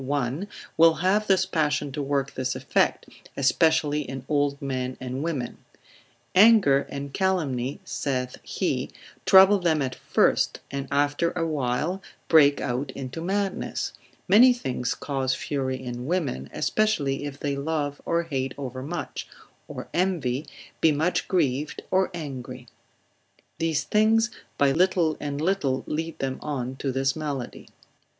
1, will have this passion to work this effect, especially in old men and women. Anger and calumny (saith he) trouble them at first, and after a while break out into madness: many things cause fury in women, especially if they love or hate overmuch, or envy, be much grieved or angry; these things by little and little lead them on to this malady.